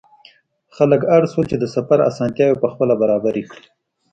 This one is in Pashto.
خلک اړ شول چې د سفر اسانتیاوې پخپله برابرې کړي.